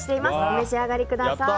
お召し上がりください。